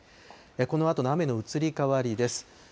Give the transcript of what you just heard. このあとの雨の移り変わりです。